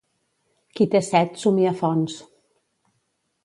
Qui té set, somia fonts.